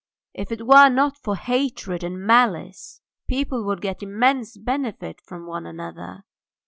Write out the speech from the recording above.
If it were not for hatred and malice people would get immense benefit from one another.